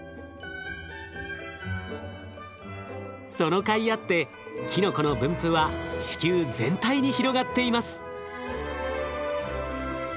そのかいあってキノコの分布は地球全体に広がっています。